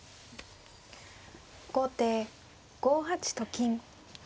後手５八と金。